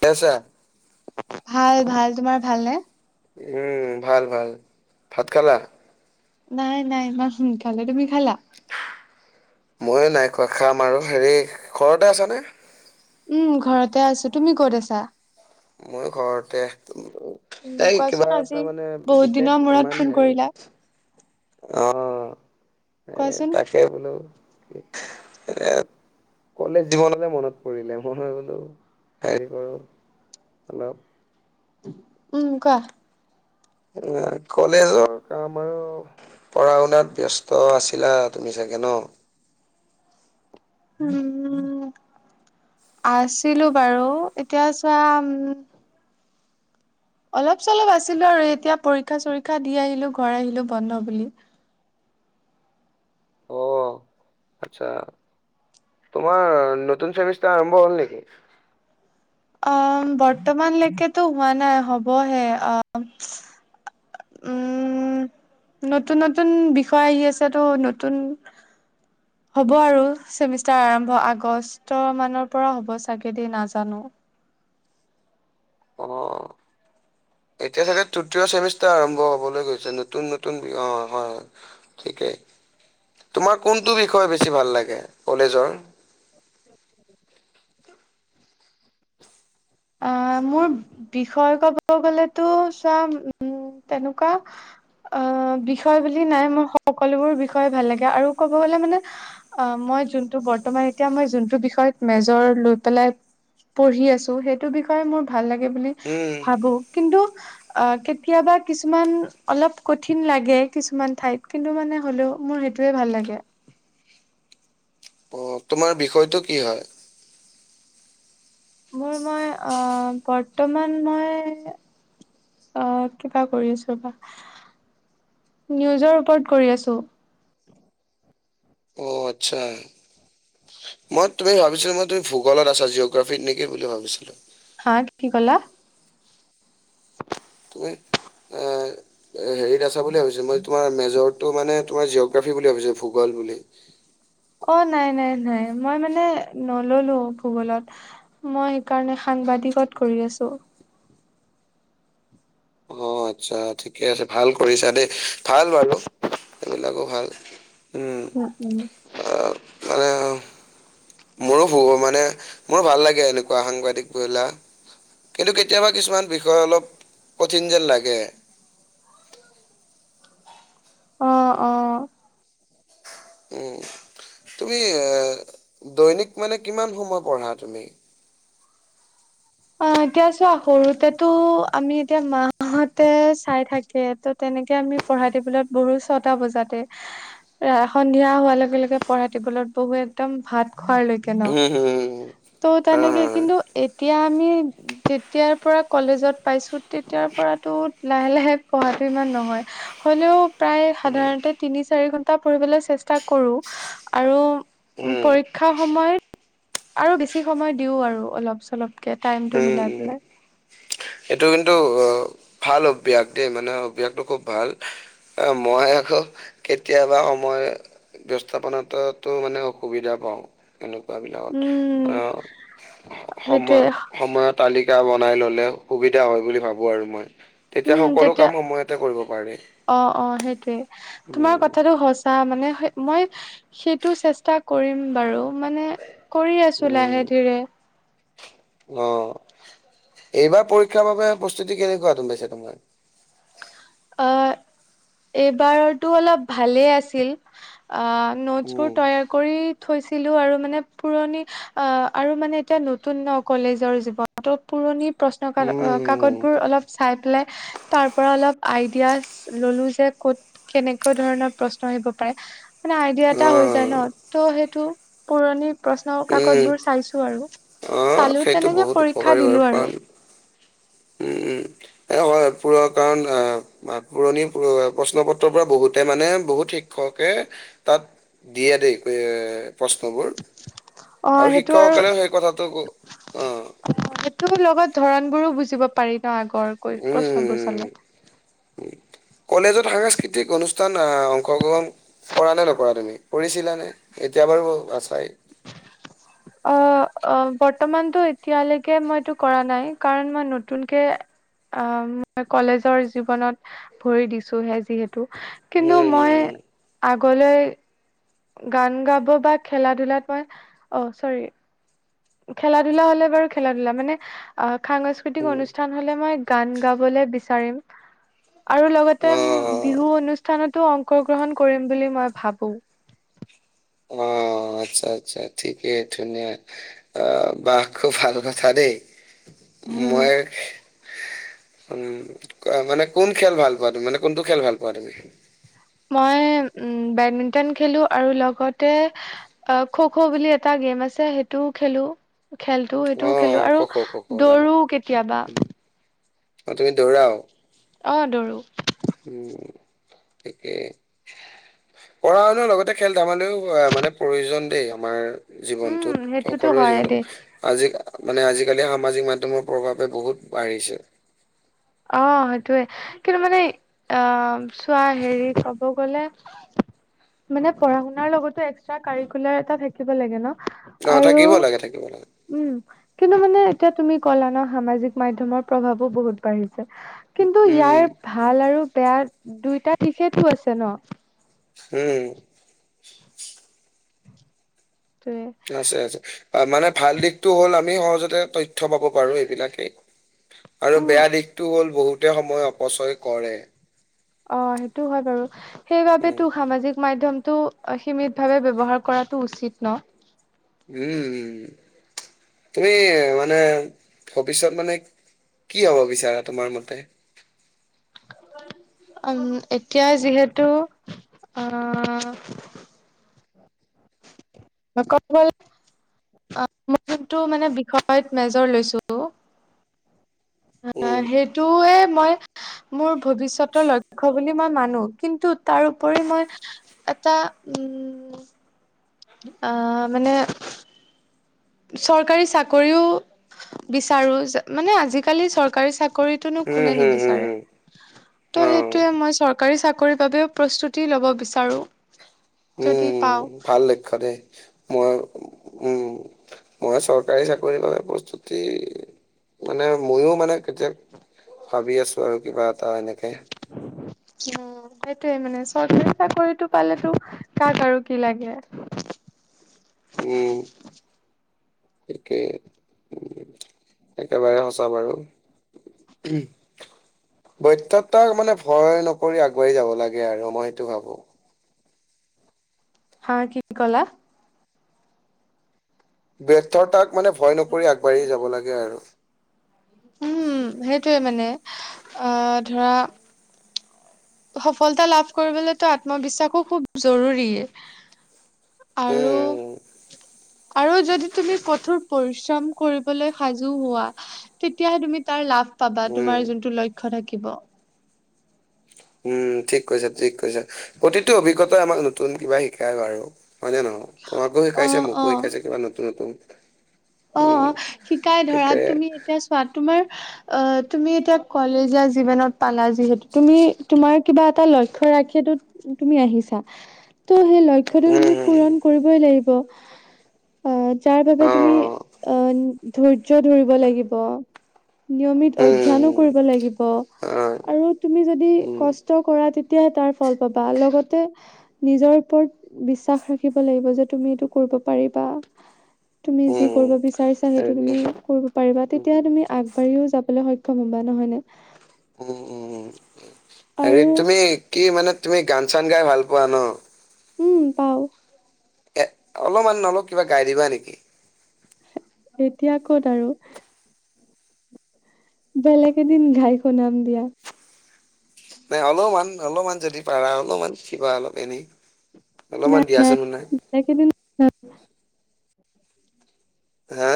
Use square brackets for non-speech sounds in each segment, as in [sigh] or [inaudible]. কচা ভাল ভাল তোমাৰ ভাল নে? উম ভাল ভাল ভাত খালা। নাই নাই ইমান সোনকালে তুমি খালা? ময়ো নাই খোৱা খাম আৰু হেৰি ঘৰতে আছানে। উম ঘৰতে আছো তুমি ক'ত আছা? মই ঘৰতে উম তাই কিবা কোৱাচোন এটা আজি মানে বহুত বিশেষ দিনৰ মূৰত ইমান ফোন হেৰি কৰিলা অ কোৱাচোন তাকে বোলো কলেজ জীৱনতে মনত পৰিলে মই বোলো হেৰি কৰো হেল্ল উম কোৱা কলেজৰ কাম আৰু পঢ়া শুনাত বব্যস্ত আছিলা তুমি চাগে হে ন উম আছিলো বাৰু এতিয়া চোৱা উম অলপ চলপ আছিলো আৰু এতিয়া পৰীক্ষা চৰীক্ষা দি আহিলো ঘৰ আহিলো বন্ধ বুলি। অ আচ্ছা তোমাৰ নতুন চাৰ্ভিচটা আৰম্ভ হ'ল নেকি? অ বৰ্তমানলৈকেতো হোৱা নাই হবহে অ। [inaudible] উম নতুন নতুন বিষয় আহি আছে তো নতুন হ'ব আৰু চেমিষ্টাৰ আৰম্ভ আগষ্ট মানৰ পৰা হ'ব চাগে দেই নাজানো অ এতিয়া চাগে তৃতীয় চেমিষ্টাৰ আৰম্ভ হবলৈ গৈছে নতুন নতুন বি অ হয় হয় ঠিকেই তোমাৰ কোনটো বিষয়ে বেছি ভাল লাগে কলেজৰ [inaudible] অ মোৰ বিষয়ে ক'ব গলেতো চাম উ তেনেকুৱা অ বিষয় বুলি নাই মোৰ সকলোবোৰ বিষয় ভাল লাগে আৰু ক'ব গলে মানে অ মই ভ সেইটো বিষয়ে মোৰ ভাল লাগে বুলি উম ভাবো কিন্তু অ কেতিয়াবা কিছুমান অলপ কঠিন লাগে কিছুমান ঠাইত কিন্তু মানে হ'লেও মোৰ সেইটোয়ে ভাল লাগে [inaudible] অ তোমাৰ বিষয়টো কি হয়? মোৰ মই অ বৰ্তমান মই আহ কিবা কৰিছো বা নিউজৰ ওপৰত কৰি আছোঁ। অ আচ্ছা মই তুমি ভাবিছিলো মই তুমি ভূগোলত আছা জিঅগ্ৰাফিত নেকি বুলি ভাবিছিলো। হা কি কলা। তুমি এ হেৰিত আছা বুলি ভাবিছো মই তোমাৰ মেজৰ- টো মানে তোমাৰ জিঅগ্ৰাফি বুলি ভাবিছে ভূগল বুলি। অ নাই নাই নাই মই মানে নললো ভূগোলত মই সেইকাৰণে সাংবাদিক- দিকত কৰি আছো। অ আচ্ছা ঠিকে আছে ভাল কৰিছা দেই ভাল বাৰু- এইবিলাকো ভাল- উম উম- আহ, মানে- মোৰো ভগৱানে, মোৰ ভাল লাগে এনেকুৱা সাংবাদিক বিলাক। কিন্তু কেতিয়াবা কিছুমান বিষয় অলপ কঠিন যেন লাগে। অঁ, অঁ ওঁ তুমি এ, দৈনিক মানে কিমান সময় পঢ়া তুমি? অঁ, এতিয়া চোৱা সৰুতেটো, আমি এতিয়া মাহঁতে চাই থাকে, ত তেনে তেনেকে আমি পঢ়া টেবুলত বহো ছটা বজাতে, হাঁ-হ---এয়া সন্ধিয়া হোৱাৰ লগে লগে পঢ়া টেবুলত্‌ লত বহো একদম ভাত খোৱাৰলৈকে ন'। হম হম ত' হা হা তেনেকে হা। কিন্তু এতিয়া আমি যেতিয়াৰ পৰা কলেজত পাইছো তেতিয়াৰ পৰাটো লাহে লাহে পঢ়াটো ইমান নহয়। হ'লেও, প্ৰায় সাধাৰণতে তিনি -চাৰি ঘণ্টা পঢ়িবলে চেষ্টা কৰো আৰু [inaudible] ওঁ পৰীক্ষা সময়ত আৰু বেছি সময় দিওঁ আৰু অলপ -চলপকে টাইমটো উম মিলাই উম। পেলাই। এইটো কিন্তু অ, ভাল অভ্যাসদেই, মানে অভ্যাসটো খুব ভাল। অঁ, মই আকৌ কেতিয়াবা সময় ব্যৱস্থাপনাাতটো, মানে অসুবিধা পাওঁ। তেওঁলোক বা বিলাকত উম অঁ সেইটোৱে সময়, সময়ৰ তালিকা বনাই ললেও সুবিধা হ'য় বুলি ভাৱো আৰু মই, তেতিয়া সকলো কাম সময়তে কৰিব পাৰি। অঁ, অঁ সেইটোয়ে তোমাৰ কথাাটো সঁচা মানে মই, সেইটো চেষ্টা কৰিম বাৰু। মানে, কৰি আছো লাহে-ধীৰে। অঁ এইবাৰ পৰীক্ষাৰ বাবে প্ৰস্তুতি কেনেকুৱা চলিছে তোমাৰ? অঁ, এইবাৰৰটো অলপ ভালেই আছিল। অঁ, নোটছ্‌ বোৰ উম তৈয়াৰ কৰি থৈছিল। ছিলো আৰু। মানে পুৰণি, অঁ আৰু মানে এতিয়া নতুন ন'? কলেজৰ জীৱনটো পুৰণি। প্ৰশ্ন উম কা--কাকতবোৰ অলপ চাই পেলাই তাৰ পৰা অলপ আইডিয়াছ্‌ ল'লো যে ক'ত, কেনেকুৱা ধৰণৰ প্ৰশ্ন আহিব পাৰে। মানে আইডিয়া এটা অ হৈ যায় ন'। ত', সেইটো পুৰণি প্ৰশ্ন উম কাকতবোৰ চাইছো আৰু। অ চালো, সেইটো তেনেকে পৰীক্ষা দিলো আৰু। ওঁ, ওঁ এপ্‌ অঁ হ'য়, হ'য়। পুৰ- কাৰণ অঁ-পুৰণি পু প্ৰশ্ন পত্ৰৰ পৰা বহুতে মানে বহুত শিক্ষক কে তাত দিয়ে দেই এ--প্ৰশ্নবোৰ। অ আৰু সেইটো শিক্ষকসকলেও সেই কথাটো গু--অঁ ধৰণবোৰো বুজিব পাৰি ন'? আগৰ কৈ প্ৰশ্নবোৰ উম চালে। কলেজত সাংস্কৃতিক অনুষ্ঠান আ--অংশগ্ৰহণ কৰা নে নকৰা তুমি? কৰিছিলা নে? এতিয়া এবাৰো আছাই। বৰ্তমানটো, এতিয়ালৈকে মইটো কৰা নাই। কাৰণ মই নতুনকে অঁ, মই কলেজৰ জীৱনত হেঁহ ভৰি দিছোেহে, যিহেত টো, কিন্তু মই উম আগলৈ গান গাব বা খেলা-ধূলাত মই, হঁ-হ--অঁ, চৰি। খেলা -ধূলা হ'লে বাৰু খেলা -ধূলা। মানে হঁ-হ হম সাংস্কৃতিক উম অনুষ্ঠান হ'লে মই গান গাবলে বিচাৰিম আৰু উম। লগতে অ উমম্--বিহু অনুষ্ঠানত টো অংশগ্ৰহণ কৰিম বুলি মই ভাৱো। অঁ অঁ আচ্ছা আচ্ছা ঠিকেই, ধুনীয়া আ বাঃ খুব ভাল কথা দেই। হুম মই--এহ হোঁ-হ উম আ--মানে কোন খেল ভাল পোৱা তুমি? মানে কোনটো খেল ভাল পোৱা তুমি? মই ওঁ বেডমিন্টন খেলো আৰু লগতে হো-হ খো খো বুলি এটা গেম আছে। সেইটোও খেলো। খেলটো অ সেইটোও খেলো খ আৰু খ খ খ জানো দৌৰো কেতিয়াবা। অ তুমি দৌৰা। অঁ দৌৰোঁ। উম তে। পঢ়া শুনাাৰ লগতে খেল ধেমালিও মানে প্ৰয়োজন দেই আমাৰ। উম জীৱনটোত সেইটোতো সকলোৰে হয় দেই জীৱনত আজি। মানে আজিকালি সামাজিক মাধয়মৰ প্ৰভাৱে বহুত বাঢ়িছে। অ সেইটয়ে কিন্তু মানে। আহ চোৱা হেৰি কব গলে। মানে পঢ়া শুনাৰ লগতো এক্সট্ৰা কাৰিকুলাৰ এটা থাকিব লাগে ন। অ আৰু থাকিব লাগে থাকিব লাগে উম। কিন্তু মানে এতিয়া তুমি কলা সামাজিক মাধমৰ প্ৰভাৱো বহুত বাঢ়িছে। কিন্তু উম ইয়াৰ ভাল আৰু বেয়া দুইটা দিশেতো আছে ন। উম। [unintelligible] আছে আছে। মানে ভাল দিশতটো হ'ল আমি সহজতে তথ্য পাব পাৰো এইবিলাকেই। আৰু উম বেয়া দিশটো হল বহুতে সময় অপচয় কৰে। অ সেইটো হয় বাৰু সেইবাবে উম তো সামাজিক। মাধমটো সীমিত ভাৱে ব্যৱহাৰ কৰাটো উচিত ন। উম উ তুমি মানে, ভৱিষ্যত মানে। কি হব বিচাৰা তোমাৰ মতে। উম এতিয়া যিহেতু। আহ। ম কতল। অ মই যোনটো মানে বিষয়ত মেজৰ লৈছো। উম অ সেইটোয়ে মই। মোৰ ভৱিষ্যতৰ লক্ষ্য় বুলি মই মানো কিন্তু তাৰপৰি মই এটা। উম [unintelligible] আহ মানে। চৰকাৰী চাকৰিও, বিচাৰো মানে আজিকালি চৰকাৰী চ। কৰিতনো হম কোনে হম হম নিবিচাৰে, ত' হম অ সেইটোয়ে মই চৰকা। চৰকাৰী চাকৰিৰ বাবেও প্ৰস্তুতি ল'ব বিচাৰোঁ। উম ভাল লক্ষয় দেই, মই উম। মই চৰকাৰী চাকৰিৰ বাবে প্ৰস্তুতি, মানে ময়ো মানে কেতিয়। ভাবি আছো আৰু কিবা এটা এনেকে। অ সেইটোৱে মানে চৰকাৰী চাকৰিতটো পালেতো কাক আৰু কি লাগে। উম, সিকেই। একেবাৰে সঁচা বাৰু। বৈথ তৰ মানে ভয় নকৰি আগুৱ়াই যাব লাগে আৰু মই সেইটো ভাবো। হা কি কলা? ব্যৰ্থতাক মানে ভয় নকৰি আগবাঢ়ি যাব লাগে আৰু। উম সেইটয়ে মানে, আহ ধৰা সফলতা লাভ কৰিবলৈতো আত্মবিশ্বাসো খুব জৰুৰী। আৰু [unintelligible] আৰু যদি তুমি কঠোৰ পৰিশ্ৰম কৰিবলৈ সাজু হোৱা, তেতিয়াহে তুমি তাৰ লাভ লাভ পাবা উম, তোমাৰ যোনটো লক্ষ্য থাকিব। উম ঠিক কৈছা ঠিক কৈছা প্ৰতিটো অভিজ্ঞতা আমাক নতুন কিবা শিকায় বাৰু। হয় জান ন তোমাককো শিকাইছে অ', মোকো অ'। শিকাইছে কিবা নতুন নতুন। অ উম শিকাই ধৰা ঠিকে তুমি এতিয়া চোৱা তোমাৰ অ তুমি এতিয়া কলেজীয়া জীৱনত পালা যিহেতু তুমি তোমাৰ কিবা এটা লক্ষ্য ৰাখিটো তুমি আহিছা তু সেই লক্ষ্যটো তুমি উম পূৰণ কৰিবই লাগিব, অ যাৰ বাবে তুমি অ' অহ ধৈৰ্য্য ধৰিব লাগিব। নিয়মিত অধ্যয়নো কৰিব লাগিব। হয়। আৰু তুমি যদি কষ্ট কৰা তেতিয়াহে তাৰ ফল পাবা। লগতে নিজৰ ওপৰত বিশ্বাস ৰাখিব লাগিব যে তুমি এইটো কৰিব পাৰিবা। তুমি কি উম কৰিব বিচাৰিছা সেইটো হেৰি তুমি কৰিব পাৰিবা, তেতিয়া তুমি আগবাঢ়িও যাবলৈ সক্ষম হবা নহয় নে? উম উম হেৰি আৰু তুমি কি মানে তুমি গান চান গাই ভাল পোৱা ন? উম পাওঁ। এ অলমান অলপ কিবা গাই দিবা নেকি? এতিয়া ক'ত আৰু। বেলেগ এদিন গাই শুনাম দিয়া। নাই অলমান অলমান যদি পাৰা অলমান কিবা অলপ এনেই। অলপমান নাই নাই দিয়াচোন শুনাই বেলেগ এদিন গাম। হা?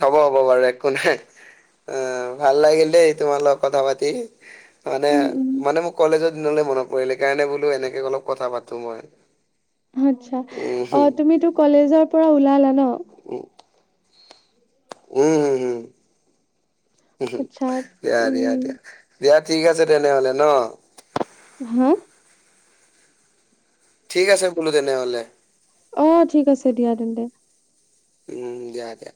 হ'ব হ'ব বাৰু একো নাই। অহ ভাল লাগিল দেই তোমাৰ লগত কথা পাতি। মানে উম উম মানে মোৰ কলেজৰ দিনলে মনত পৰিল সেইকাৰণে বোলো এনেকে অলপ কথা পাতো মই। আতচ্ছা, অ উম তুমিতো কলেজৰ পৰা ওলালা ন? উম উম উম উম আচ্ছা দিয়া উম দিয়া দিয়া। দিয়া ঠিক আছে তেনেহ'লে ন? হা? ঠিক আছে বোলো তেনেহলে। অহ ঠিক আছে দিয়া তেন্তে। উম দিয়া দিয়া।